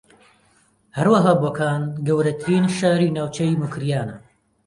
ھەروەھا بۆکان گەورەترین شاری ناوچەی موکریانە